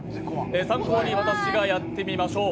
参考に私がやってみましょう。